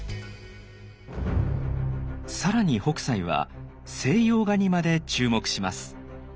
更に北斎は西洋画にまで注目します。